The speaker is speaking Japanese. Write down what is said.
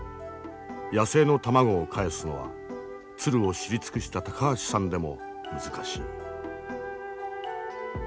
野生の卵をかえすのは鶴を知り尽くした高橋さんでも難しい。